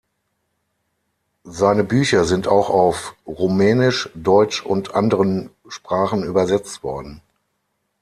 Seine Bücher sind auch auf Rumänisch, Deutsch und anderen Sprachen übersetzt worden.